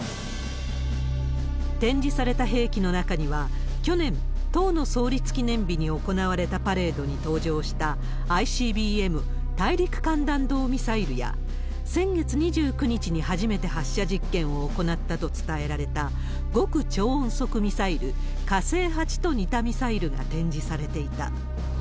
展示された兵器の中には、去年、党の創立記念日に行われたパレードに登場した、ＩＣＢＭ・大陸間弾道ミサイルや先月２９日に初めて発射実験を行ったと伝えられた極超音速ミサイル、火星８と似たミサイルが展示されていた。